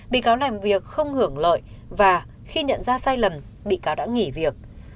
bị cáo làm việc không hưởng lợi và khi nhận ra sai lầm bị cáo đã nghỉ việc